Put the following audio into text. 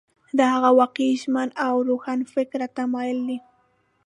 دا هغه واقعي ژمن او روښانفکره تمایل دی.